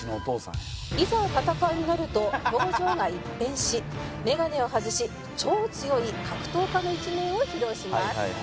いざ戦いになると表情が一変しメガネを外し超強い格闘家の一面を披露します。